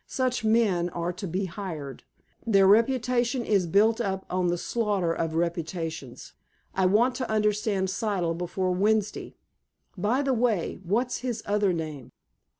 Such men are to be hired. Their reputation is built up on the slaughter of reputations. I want to understand Siddle before Wednesday. By the way, what's his other name?"